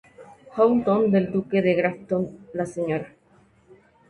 Houghton del duque de Grafton, la Sra.